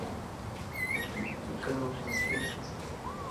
Chicago Jazz Fest.